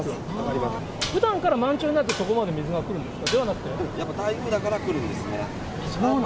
ふだんから満潮になると、そこまで水が来るんですか？